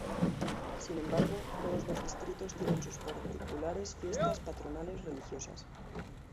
Sin embargo todos los distritos tienen sus particulares Fiestas Patronales religiosas.